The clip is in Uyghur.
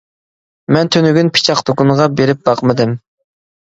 مەن تۈنۈگۈن پىچاق دۇكىنىغا بېرىپ باقمىدىم!